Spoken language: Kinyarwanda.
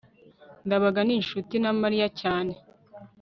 ndabaga ni inshuti na mariya cyane